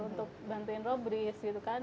untuk bantuin robris gitu kan